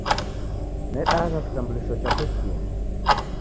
Nedagha kitambulisho chapo chienyi